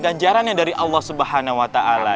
ganjarannya dari allah swt